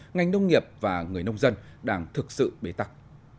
ngành nông nghiệp và người nông dân đang thực sự bế tắc